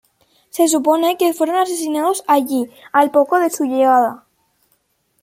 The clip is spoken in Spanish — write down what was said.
Se supone que fueron asesinados allí al poco de su llegada.